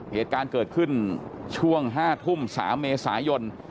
เหตุการณ์เกิดขึ้นช่วง๕ทุ่ม๓เมษายน